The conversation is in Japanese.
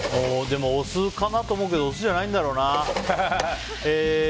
お酢かなと思うけどお酢じゃないんだろうな。